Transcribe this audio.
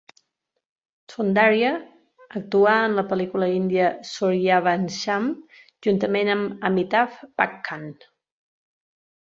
Soundarya actuar en la pel·lícula índia, "Sooryavansham", juntament amb Amitabh Bachchan.